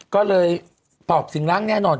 ก็เลยปอบถึงรังแน่นอน